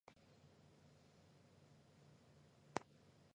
至于重要性不足的小人物不会被陈列其中。